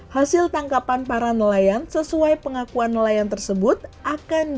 hasil tangkapan para nelayan sesuai pengakuan nelayan tersebut akan